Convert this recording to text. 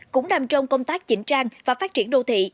cũng nằm trong công tác chỉnh trang và phát triển đô thị